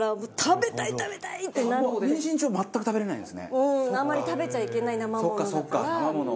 うんあんまり食べちゃいけない生ものだから。